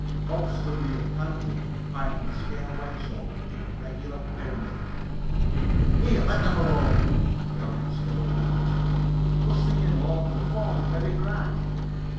Bob stood near the counter piling the scale weights up in a regular pyramid. "Here, let them alone," growled the storekeeper. "Fust thing you know they'll fall an' mebby crack."